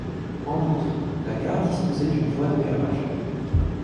En outre, la gare disposait d'une voie de garage.